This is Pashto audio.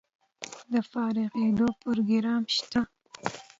د فارغیدو پروګرام شته؟